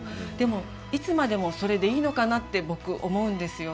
もいつまでもそれでいいのかなって僕思うんですよ」